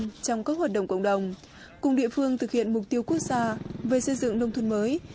trong các hoạt động cộng đồng cùng địa phương thực hiện mục tiêu quốc gia về xây dựng nông thôn mới